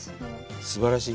すばらしい。